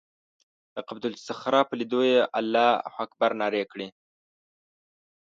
د قبة الصخره په لیدو یې الله اکبر نارې کړه.